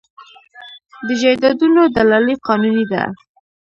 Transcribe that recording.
د جایدادونو دلالي قانوني ده؟